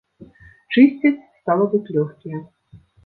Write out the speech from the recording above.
Чысцяць, стала быць, лёгкія.